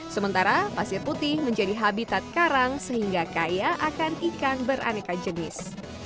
sementara pasir putih menjadi habitat karang sehingga kaya akan ikan beraneka jenis